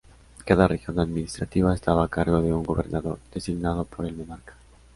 Cada región administrativa estaba a cargo de un gobernador designado por el monarca.